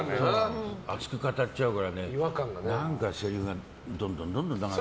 熱く語っちゃうからね何か、せりふがどんどん長くなって。